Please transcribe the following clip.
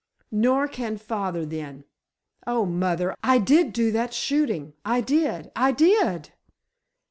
"Nor can father, then. Oh, mother, I did do that shooting! I did! I did!"